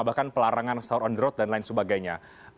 bahkan pelarangan shower on the road dan lain sebagainya